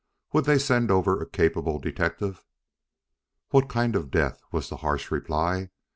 Would they send over a capable detective? "What kind of death?" was the harsh reply.